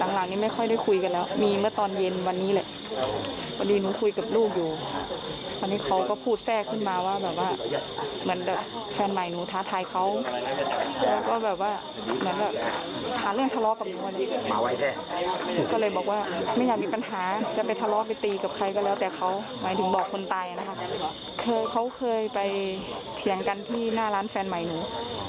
หมายถึงบอกคนตายนะคะคือเขาเคยไปเถียงกันที่หน้าร้านแฟนใหม่หนู